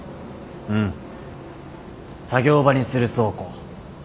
うん作業場にする倉庫。